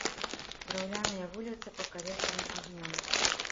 Драўляныя вуліцы пакалечаны агнём.